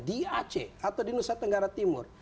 di aceh atau di nusa tenggara timur